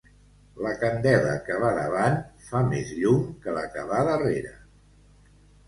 La candela que va davant fa més llum que la que va darrere.